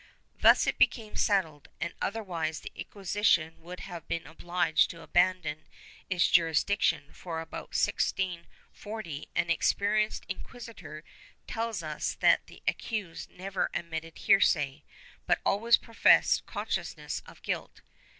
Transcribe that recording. Thus it became settled, and otherwise the Inquisition would have been obliged to abandon its jurisdic tion, for about 1640 an experienced inquisitor tells us that the accused never admitted heresy, but always professed consciousness of guilt.